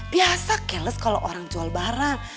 biasa keles kalo orang jual barang